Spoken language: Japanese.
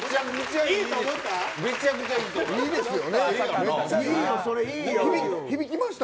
めちゃめちゃいいと思いました。